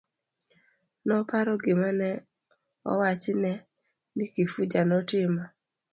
Noparo gima ne owachne ni Kifuja notimo.